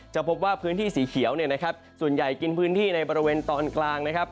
จะพบว่าพื้นที่สีเขียวเนี่ยนะครับส่วนใหญ่กินพื้นที่ในบริเวณตอนกลางนะครับ